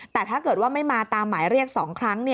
แต่ถ้าเกิดว่าไม่มาตามหมายเรียก๒ครั้ง